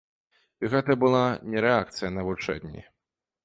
І гэта была не рэакцыя на вучэнні.